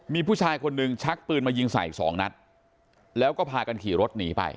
มีผู้ชายคนหนึ่งชักปืนมายิงใส่สองนัดแล้วก็พากันขี่รถหนีไป